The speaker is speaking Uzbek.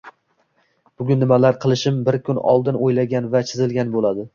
Bugun nimalar qilishim bir kun oldin oʻylangan va chizilgan boʻladi.